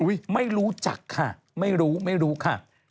ไม่รู้จักค่ะไม่รู้ไม่รู้ค่ะ